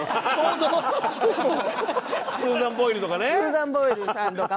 スーザン・ボイルとかね。